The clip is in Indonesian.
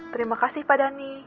terima kasih pak dhani